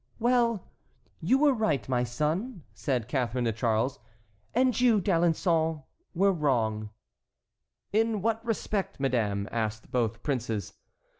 "Well, you were right, my son," said Catharine to Charles, "and you, D'Alençon, were wrong." "In what respect, madame?" asked both princes.